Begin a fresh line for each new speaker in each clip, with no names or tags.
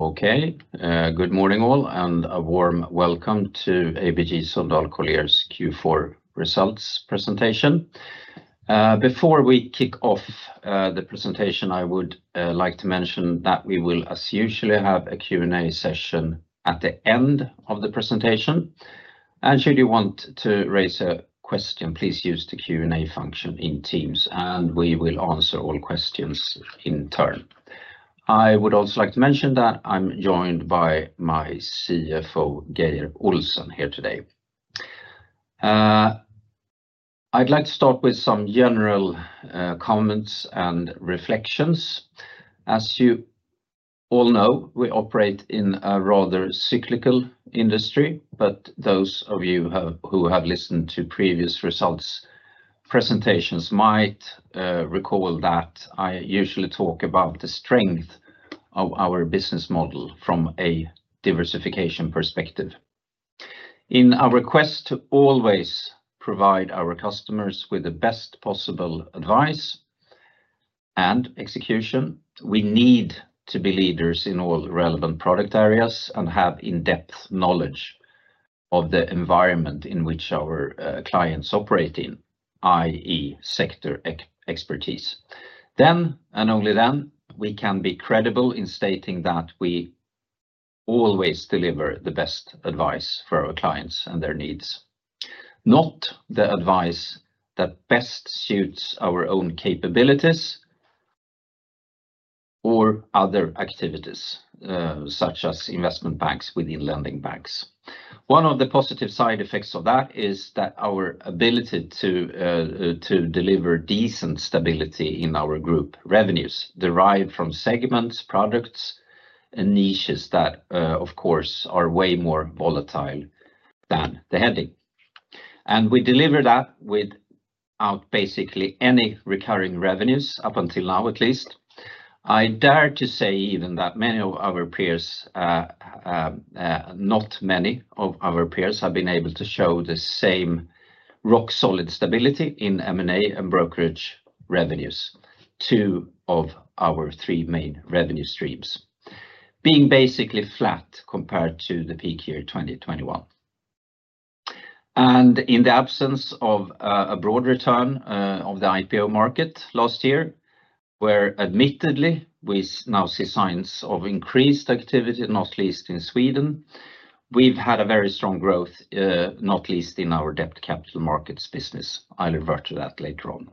Okay. Good morning all and a warm welcome to ABG Sundal Collier's Q4 results presentation. Before we kick off the presentation, I would like to mention that we will as usually have a Q and A session at the end of the presentation and should you want to raise a question, please use the Q and A function in Teams and we will answer all questions in turn. I would also like to mention that I'm joined by my CFO Geir Olsen here today. I'd like to start with some general comments and reflections. As you all know, we operate in a rather cyclical industry, but those of you who have listened to previous results presentations might recall that I usually talk about the strength of our business model from a diversification perspective. In our quest to always provide our customers with the best possible advice and execution, we need to be leaders in all relevant product areas and have in-depth knowledge of the environment in which our clients operate in, ii.e. sector expertise. Then and only then, we can be credible in stating that we always deliver the best advice for our clients and their needs, not the advice that best suits our own capabilities or other activities such as investment banks within lending banks. One of the positive side effects of that is that our ability to deliver decent stability in our group revenues derived from segments, products and niches that of course are way more volatile than the heading and we deliver that without basically any recurring revenues up until now at least, I dare to say even that many of our peers, not many of our peers have been able to show the same rock solid stability in M&A and brokerage revenues. Two of our three main revenue streams being basically flat compared to the peak year 2021. In the absence of a broad return of the IPO market last year, where admittedly we now see signs of increased activity, not least in Sweden, we've had a very strong growth, not least in our debt capital markets business. I'll revert to that later on.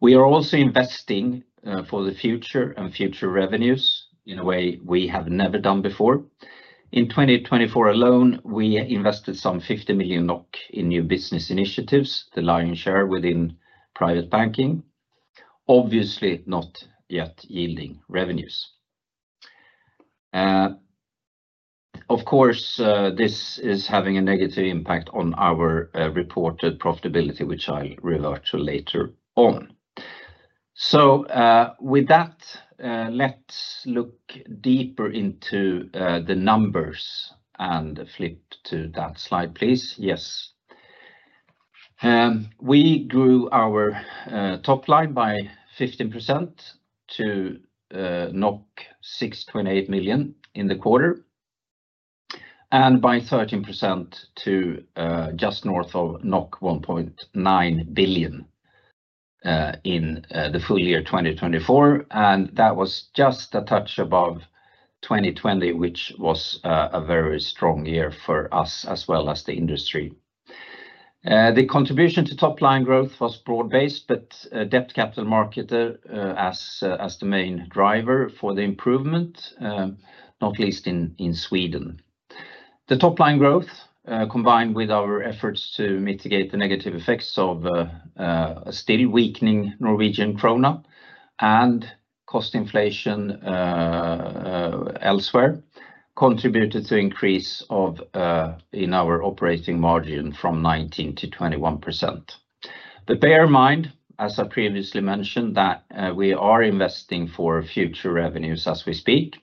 We are also investing for the future and future revenues in a way we have never done before. In 2024 alone, we invested some 50 million NOK in new business initiatives. The lion's share within private banking obviously not yet yielding revenues. Of course this is having a negative impact on our reported profitability, which I'll revert to later on. So with that, let's look deeper into the numbers and flip to that slide please. Yes. We grew our top line by 15% to 6.28 million in the quarter and by 13% to just north of 1.9 billion in the full-year 2024 and that was just a touch above 2020, which was a very strong year for us as well as the industry. The contribution to top line growth was broad-based but Debt Capital Markets as the main driver for the improvement not least in Sweden. The top line growth combined with our efforts to mitigate the negative effects of still weakening Norwegian Krone and cost inflation elsewhere contributed to increase in our operating margin from 19% to 21%. But bear in mind, as I previously mentioned, that we are investing for future revenues as we speak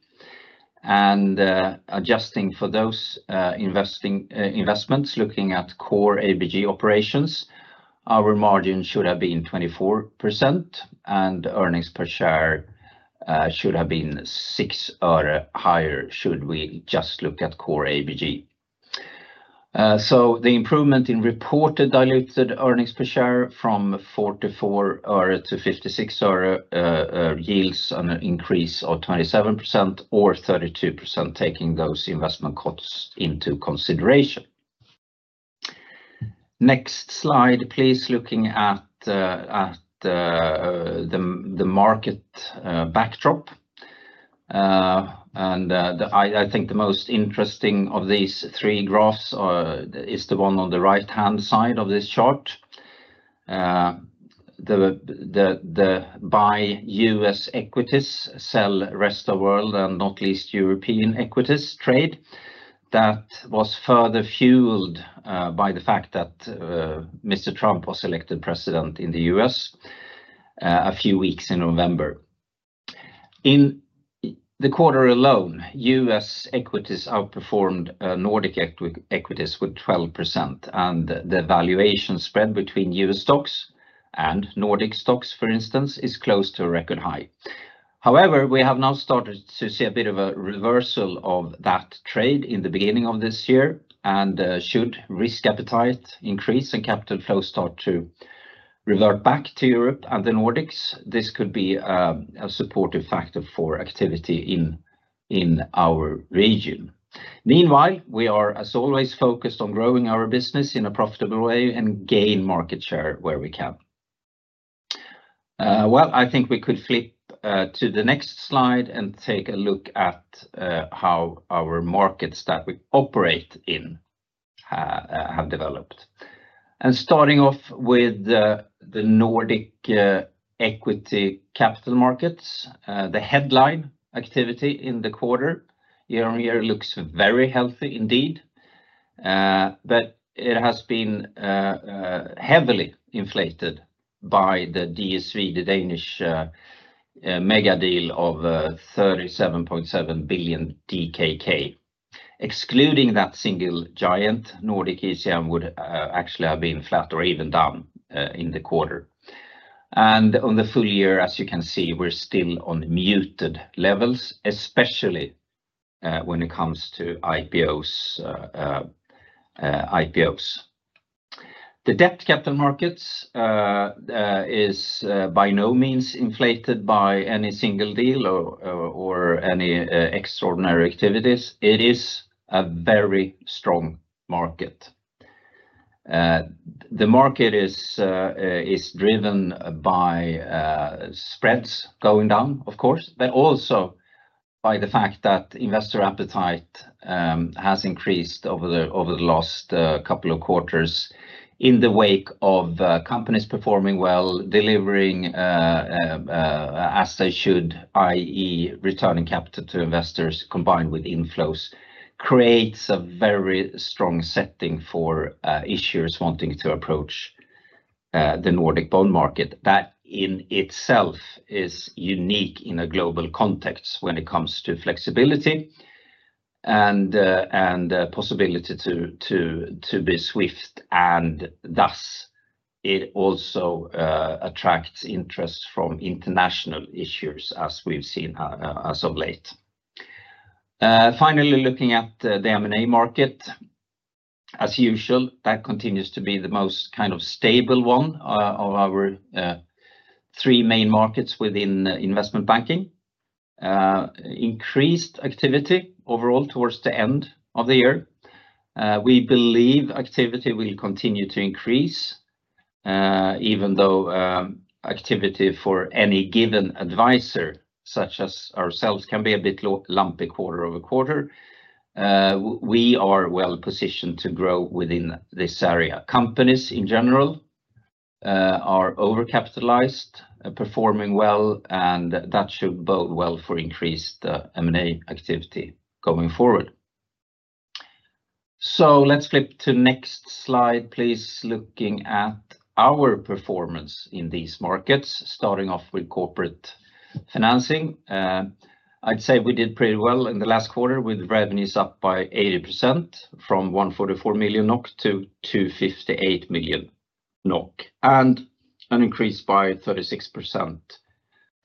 and adjusting for those investments looking at Core ABG operations, our margin should have been 24% and earnings per share should have been six or higher should we just look at Core ABG? The improvement in reported diluted earnings per share from 44 to 56 yields an increase of 27% or 32% taking those investment costs into consideration. Next slide please. Looking at the market backdrop. I think the most interesting of these three graphs is the one on the right-hand side of this chart. The buy U.S. equities sell rest of world and not least European equities trade. That was further fueled by the fact that Mr. Trump was elected president in the U.S. a few weeks in November. In the quarter alone, U.S. equities outperformed Nordic equities with 12%, and the valuation spread between U.S. stocks and Nordic stocks, for instance, is close to a record high. However, we have now started to see a bit of a reversal of that trade in the beginning of this year, and should risk appetite increase and capital flow start to revert back to Europe and the Nordics, this could be a supportive factor for activity in our region. Meanwhile, we are as always focused on growing our business in a profitable way and gain market share where we can. I think we could flip to the next slide and take a look at how our markets that we operate in have developed. Starting off with the Nordic equity capital markets, the headline activity in the quarter, year-on-year, looks very healthy indeed. It has been heavily inflated by the DSV, the Danish megadeal of 37.7 billion DKK, excluding that single giant Nordic ECM would actually have been flat or even down in the quarter. On the full year, as you can see, we're still on muted levels, especially when it comes to IPOs, IPOs. The debt capital markets is by no means inflated by any single deal or any extraordinary activities. It is a very strong market. The market is driven by spreads going down, of course, but also by the fact that investor appetite has increased over the last couple of quarters. In the wake of companies performing well, delivering as they should, i.e. returning capital to investors combined with inflows creates a very strong setting for issuers wanting to approach the Nordic bond market. That in itself is unique in a global context when it comes to flexibility and possibility to be swift and thus it also attracts interest from international issuers as we've seen as of late. Finally, looking at the M&A market, as usual, that continues to be the most kind of stable one of our three main markets within investment banking. Increased activity overall towards the end of the year. We believe activity will continue to increase even though activity for any given advisor such as ourselves can be a bit lumpy quarter-over-quarter, we are well positioned to grow within this area. Companies in general are over capitalized, performing well and that should bode well for increased M&A activity going forward. So let's flip to next slide please. Looking at our performance in these markets, starting off with corporate financing, I'd say we did pretty well in the last quarter with revenues up by 80% from 144 million NOK to 258 million NOK and an increase by 36%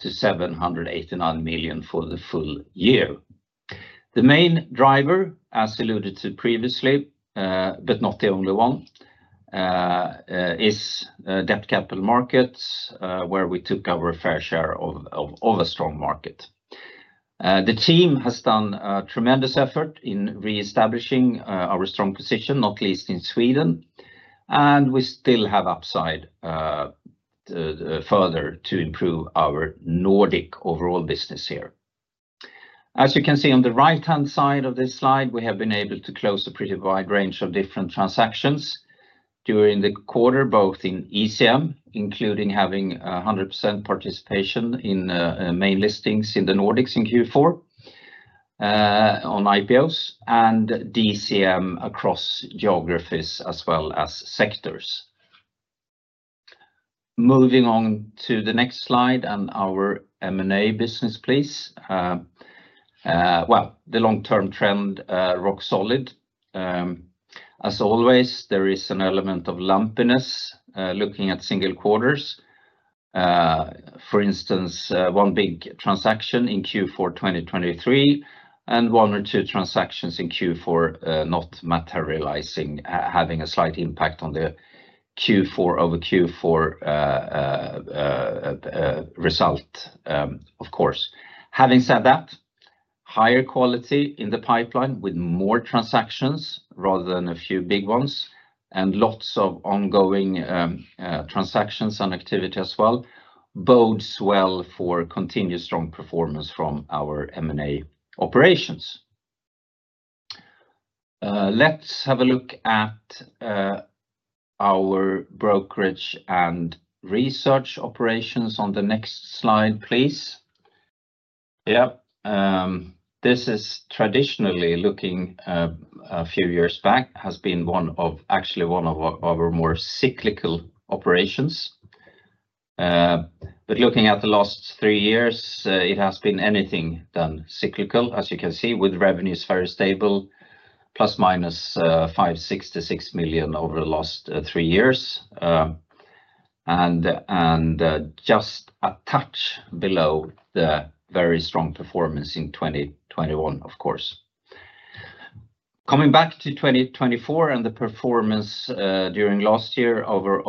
to 789 million for the full-year. The main driver, as alluded to previously, but not the only one is Debt Capital Markets where we took our fair share of a strong market. The team has done tremendous effort in re-establishing our strong position not least in Sweden and we still have upside further to improve our Nordic overall business here. As you can see on the right hand side of this slide, we have been able to close a pretty wide range of different transactions during the quarter both in ECM, including having 100% participation in main listings in the Nordics in Q4 on IPOs and DCM across geographies as well as sectors. Moving on to the next slide on our M&A business, please. The long-term trend rock solid. As always, there is an element of lumpiness looking at single quarters. For instance, one big transaction in Q4 2023 and one or two transactions in Q4 not materializing having a slight impact on the Q4-over-Q4 result, of course. Having said that, higher quality in the pipeline with more transactions rather than a few big ones and lots of ongoing transactions and activity as well bodes well for continued strong performance from our M&A operations. Let's have a look at our Brokerage and Research operations on the next slide, please. Yeah, this is traditionally, looking a few years back, has been one of actually one of our more cyclical operations. But looking at the last three years, it has been anything but cyclical, as you can see, with revenues very stable plus minus NOR 5.6 to NOR 6 million over the last three years. And just a touch below the very strong performance in 2021, of course. Coming back to 2024 and the performance during last year over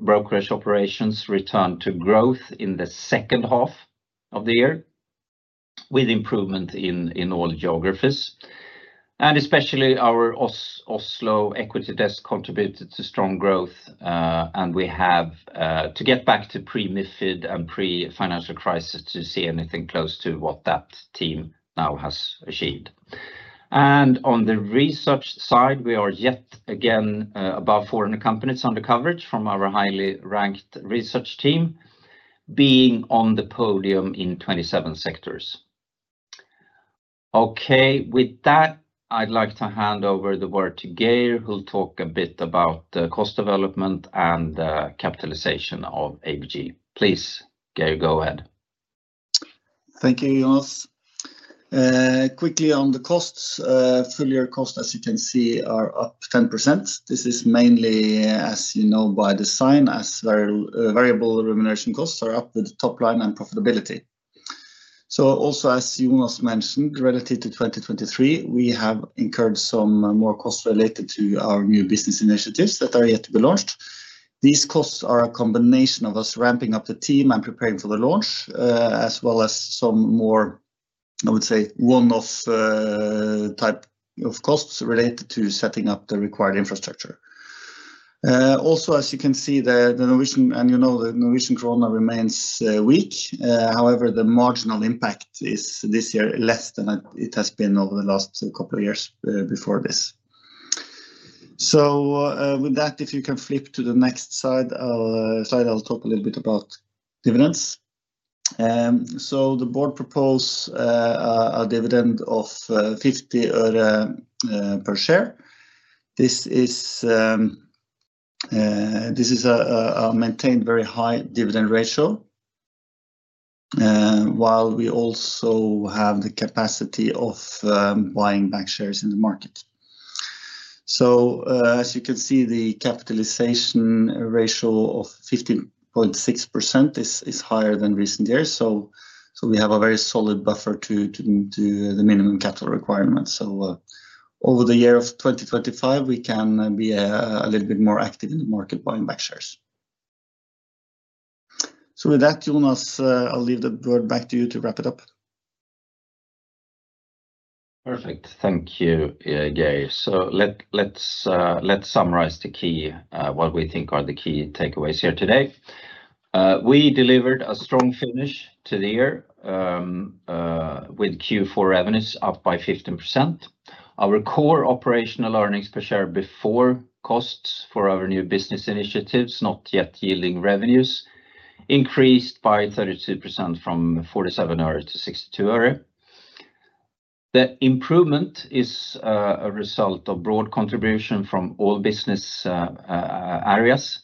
brokerage operations returned to growth in the second half of the year with improvement in all geographies. And especially our Oslo equity desk contributed to strong growth. And we have to get back to pre-MiFID and pre-financial crisis to see anything close to what that team now has achieved. And on the research side, we are yet again above 400 companies under coverage from our highly ranked research team being on the podium in 27 sectors. Okay, with that I'd like to hand over the word to Geir who'll talk a bit about cost, development and capitalization of ABG. Please, Geir, go ahead.
Thank you, Jonas. Quickly on the costs. Full-year cost, as you can see, are up 10%. This is mainly as you know, by design as variable remuneration costs are up with the top line and profitability. So also as Jonas mentioned relative to 2023, we have incurred some more costs related to our new business initiatives that are yet to be launched. These costs are a combination of us ramping up the team and preparing for the launch, as well as some more, I would say one-off type of costs related to setting up the required infrastructure. Also, as you can see, the Norwegian and you know the Norwegian Krone remains weak. However, the marginal impact is this year less than it has been over the last couple of years before this. With that, if you can flip to the next slide, I'll talk a little bit about dividends. The board proposed a dividend of NOK 0.50 per share This is a maintained very high dividend ratio. While we also have the capacity of buying back shares in the market. As you can see, the capitalization Ratio of 15.6% is higher than recent years. We have a very solid buffer to the minimum capital requirements. Over the year of 2025 we can be a little bit more active in the market buying back shares. So with that, Jonas, I'll leave the word back to you to wrap it up.
Perfect. Thank you, Geir. So let's summarize the key. What we think are the key takeaways here. Today we delivered a strong finish to the year with Q4 revenues up by 15%. Our core operational earnings per share before costs for our new business initiatives not yet yielding revenues increased by 32% from NOR 47 to NOR 62. The improvement is a result of broad contribution from all business areas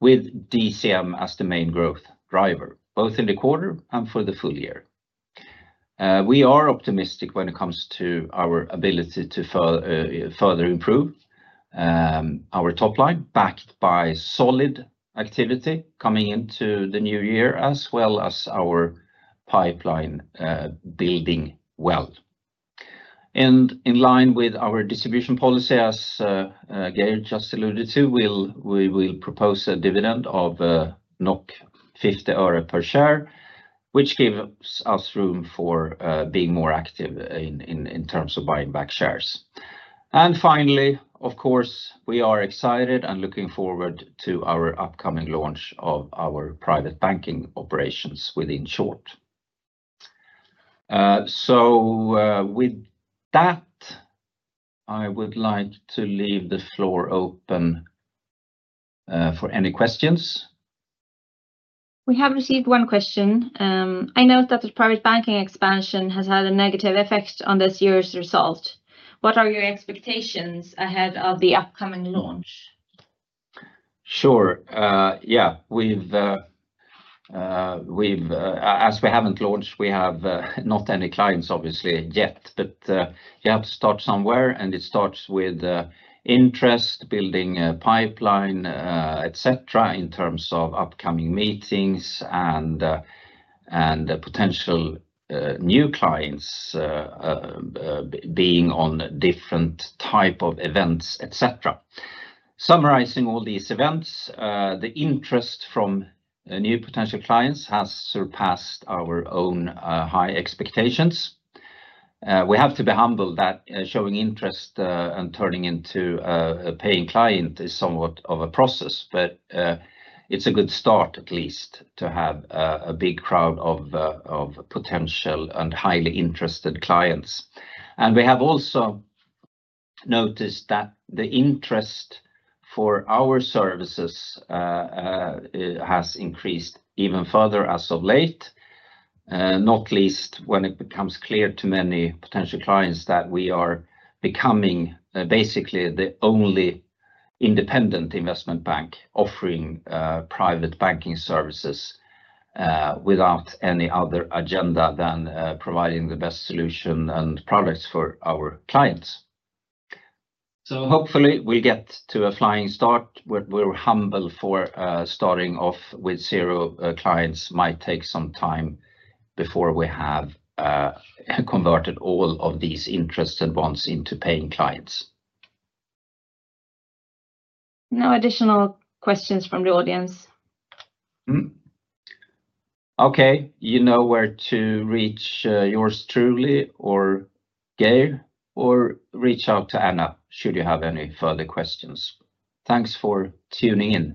with DCM as the main growth driver both in the quarter and for the full year. We are optimistic when it comes to our ability to further improve our top line backed by solid activity coming into the new year as well as our pipeline building well and in line with our distribution policy. As Geir just alluded to, we will propose a dividend of NOK 50 per share, which gives us room for being more active in terms of buying back shares. And finally, of course, we are excited and looking forward to our upcoming launch of our private banking operations within short. So with that, I would like to leave the floor open for any questions.
We have received one question. I note that the private banking expansion has had a negative effect on this year's result. What are your expectations ahead of the upcoming launch?
Sure, yeah. As we haven't launched, we have not any clients obviously yet, but you have to start somewhere and it starts with interest, building a pipeline, et cetera in terms of upcoming meetings and potential new clients being on different type of events, et cetera. Summarizing all these events, the interest from new potential clients has surpassed our own high expectations. We have to be humble that showing interest and turning into a paying client is somewhat of a process, but it's a good start at least to have a big crowd of potential and highly interested clients. And we have also noticed that the interest for our services has increased even further as of late, not least when it becomes clear to many potential clients that we are becoming basically the only independent investment bank offering private banking services without any other agenda than providing the best solution and products for our clients. So hopefully we'll get to a flying start. We're humble for starting off with zero clients. Might take some time before we have converted all of these interested ones into paying clients.
No additional questions from the audience.
Okay, you know where to reach yours truly or Geir, or reach out to Anna should you have any further questions. Thanks for tuning in.